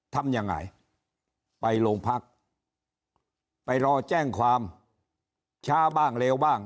ทำยังไงไปโรงพักไปรอแจ้งความช้าบ้างเลวบ้าง